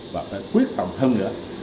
và phải quyết tầm thân nữa